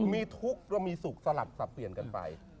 มีทุกข์และมีสุขสลับสับเปลี่ยนกันไป